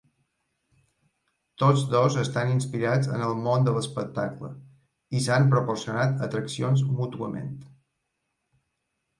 Tots dos estan inspirats en el món de l'espectacle i s'han proporcionat atraccions mútuament.